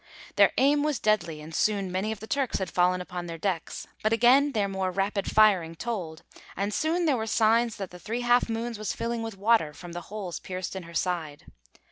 Their aim was deadly and soon many of the Turks had fallen upon their decks, but again their more rapid firing told, and soon there were signs that the 'Three Half Moons' was filling with water from the holes pierced in her side.